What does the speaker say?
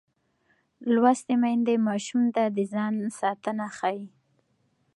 لوستې میندې ماشوم ته د ځان ساتنه ښيي.